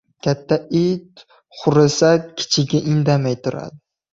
• Katta it hurisa, kichigi indamay turadi.